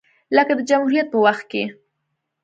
لکه د جمهوریت په وخت کې